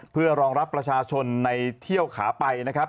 เพื่อรองรับประชาชนในเที่ยวขาไปนะครับ